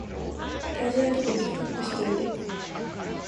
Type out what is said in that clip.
大事なとこピックアップしといて